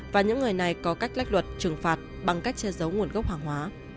và những người này có cách lách luật trừng phạt bằng cách che giấu nguồn gốc hàng hóa